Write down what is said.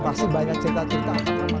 pasti banyak cerita cerita